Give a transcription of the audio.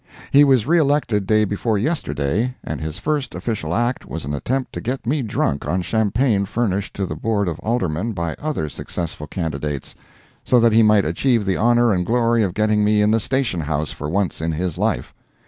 He was re elected day before yesterday, and his first official act was an attempt to get me drunk on champagne furnished to the Board of Aldermen by other successful candidates, so that he might achieve the honor and glory of getting me in the station house for once in his life.